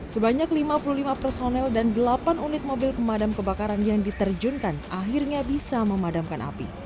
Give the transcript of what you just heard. sebanyak lima puluh lima personel dan delapan unit mobil pemadam kebakaran yang diterjunkan akhirnya bisa memadamkan api